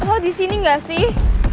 oh di sini nggak sih